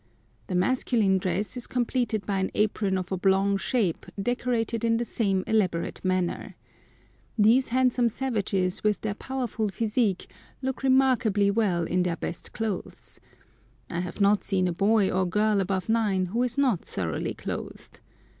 The masculine dress is completed by an apron of oblong shape decorated in the same elaborate manner. These handsome savages, with their powerful physique, look remarkably well in their best clothes. I have not seen a boy or girl above nine who is not thoroughly clothed.